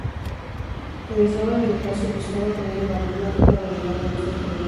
El eslogan del espacio buscaba poner en valor "la rica variedad de nuestras provincias".